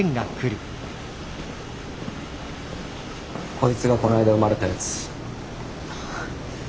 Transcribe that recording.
こいつがこないだ生まれたやつ。